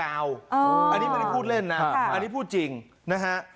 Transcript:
อ่าอันดีไม่ได้พูดเล่นน่ะค่ะอันนี้พูดจริงนะฮะ